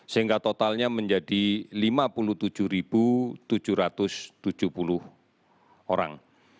sehingga totalnya menjadi lima puluh tujuh tujuh ratus tujuh puluh orang